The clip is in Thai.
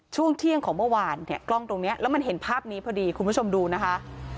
ช่วงเที่ยงของเมื่อวานเนี่ยกล้องตรงนี้แล้วมันเห็นภาพนี้พอดีคุณผู้ชมดูนะคะ